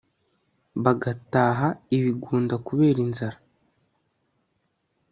bagataha ibigunda kubera inzara